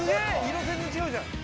色全然違うじゃん